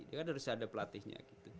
dia kan harus ada pelatihnya gitu